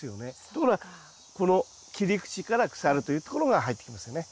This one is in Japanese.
ところがこの切り口から腐るというところが入ってきますね。